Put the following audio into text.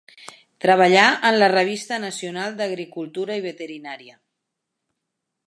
Treballà en la revista nacional d'agricultura i veterinària.